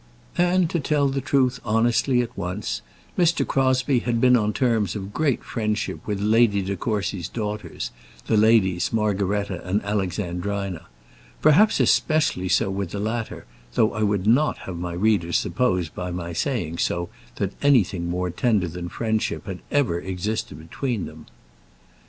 And, to tell the truth honestly at once, Mr. Crosbie had been on terms of great friendship with Lady De Courcy's daughters, the Ladies Margaretta and Alexandrina perhaps especially so with the latter, though I would not have my readers suppose by my saying so that anything more tender than friendship had ever existed between them.